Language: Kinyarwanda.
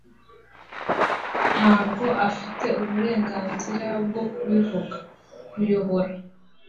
ntabwo afite uburenganzira bwo kubivuga. (_kuyobora)